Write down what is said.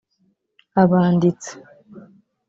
abanditsi